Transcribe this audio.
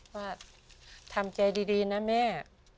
ว่าทำใจดีนะแม่